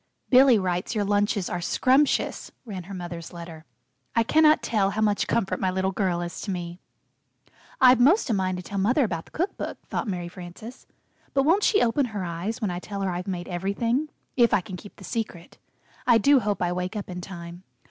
"Billy writes your lunches are 'scrumptious,'" ran her mother's letter. "I cannot tell how much comfort my little girl is to me." [Illustration: Mother's last letter.] "I've 'most a mind to tell Mother about the cook book," thought Mary Frances, "but won't she open her eyes when I tell her I've made everything if I can keep the secret! I do hope I wake up in time.